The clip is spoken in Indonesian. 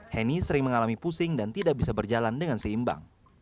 heni sering mengalami pusing dan tidak bisa berjalan dengan seimbang